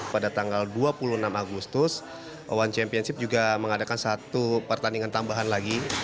pada tanggal dua puluh enam agustus one championship juga mengadakan satu pertandingan tambahan lagi